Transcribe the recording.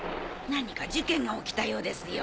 何か事件が起きたようですよ。